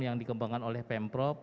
yang dikembangkan oleh pemprov